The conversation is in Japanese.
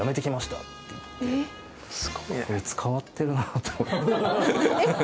こいつ変わってるなと思って。